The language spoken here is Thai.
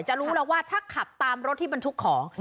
รู้แล้วว่าถ้าขับตามรถที่บรรทุกของ